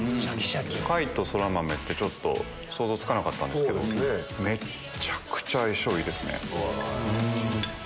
貝とソラマメって想像つかなかったんですけどめっちゃくちゃ相性いいですね。